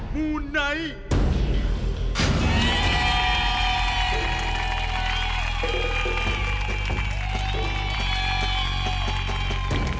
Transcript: มูไนท์